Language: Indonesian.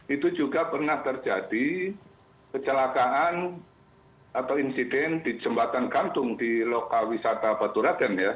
itu juga pernah terjadi kecelakaan atau insiden di jembatan gantung di lokal wisata baturaden ya